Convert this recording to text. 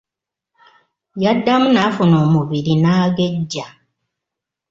Yaddamu n'afuna omubiri n'agejja.